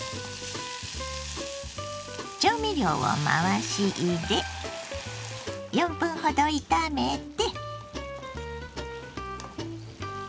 調味料を回し入れ４分ほど炒めて。